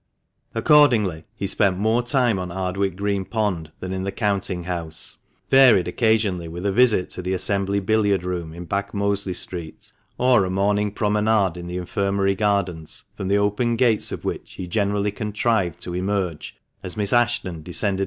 Accordingly he spent more time on Ardwick Green Pond than in the counting house, varied occasionally with a visit to the Assembly Billiard room in Back Mosley Street, or a morning promenade in the Infirmary Gardens, from the open gates of which he generally contrived to emerge as Miss Ashton descended 272 THE MANCHESTER MAN.